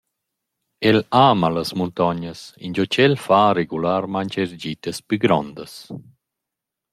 El ama las muntognas ingio ch’el fa regularmaing eir gitas plü grondas.